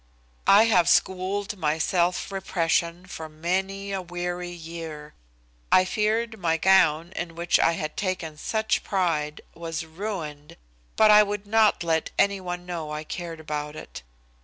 I have schooled my self repression for many a weary year. I feared my gown, in which I had taken such pride, was ruined, but I would not let any one know I cared about it.